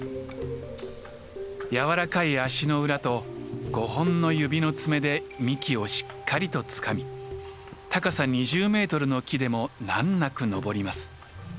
柔らかい足の裏と５本の指の爪で幹をしっかりとつかみ高さ２０メートルの木でも難なく登ります。